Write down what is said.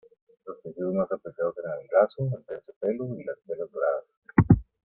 Los tejidos más apreciados eran el raso, el terciopelo y las telas doradas.